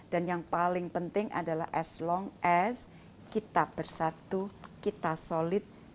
yang paling penting adalah as long as kita bersatu kita solid